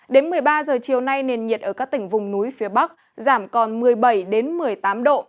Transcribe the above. đến một mươi ba giờ chiều nay nền nhiệt ở các tỉnh vùng núi phía bắc giảm còn một mươi bảy một mươi tám độ